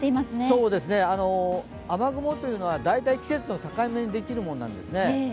雨雲というのは大体季節の境目にできるものなんですね。